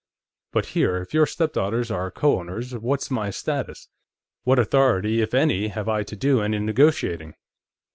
But here; if your stepdaughters are co owners, what's my status? What authority, if any, have I to do any negotiating?"